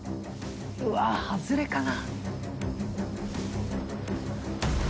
うわ外れかな？